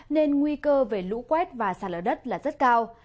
nên nguy cơ về lũ quét và sạt lở đất là rất cao